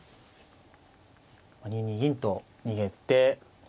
２二銀と逃げて。